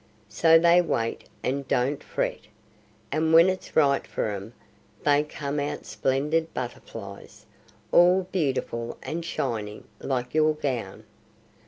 So they wait and don't fret, and when it's right for 'em they come out splendid butterflies, all beautiful and shining like your gown.